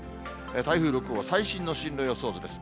台風６号、最新の進路予想図です。